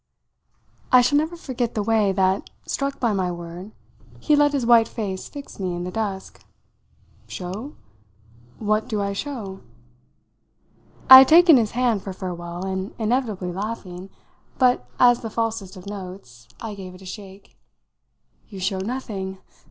I shall never forget the way that, struck by my word, he let his white face fix me in the dusk. "'Show'? What do I show?" I had taken his hand for farewell, and, inevitably laughing, but as the falsest of notes, I gave it a shake. "You show nothing!